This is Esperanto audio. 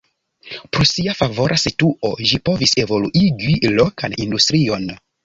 Pro sia favora situo ĝi povis evoluigi lokan industrion.